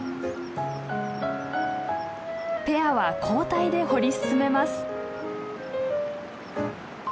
ペアは交代で掘り進めます。